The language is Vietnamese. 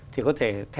thì có thể